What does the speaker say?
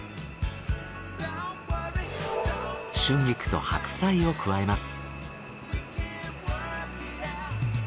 春菊と白菜を加えます。